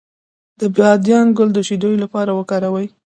د بادیان ګل د شیدو لپاره وکاروئ